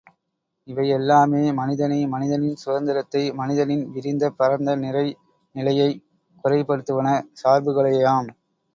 இவையெல்லாமே மனிதனை, மனிதனின் சுதந்திரத்தை, மனிதனின் விரிந்த பரந்த நிறை நிலையைக் குறைப்படுத்துவன சார்புகளேயாம்.